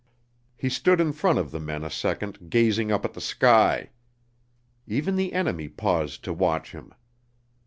He stood in front of the men a second gazing up at the sky. Even the enemy paused to watch him.